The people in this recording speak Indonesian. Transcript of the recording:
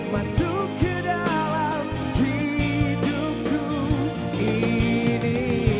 masuk ke dalam hidupku ini